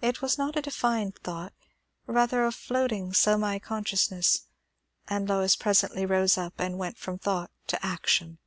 It was not a defined thought; rather a floating semi consciousness; and Lois presently rose up and went from thought to action.